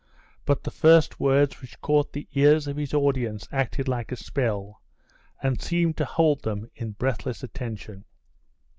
But the first words which caught the ears of his audience acted like a spell, and seemed to hold them in breathless attention.